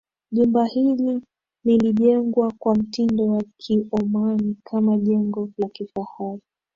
Jumba hili lilijengwa kwa mtindo wa kiomani kama jengo la kifahari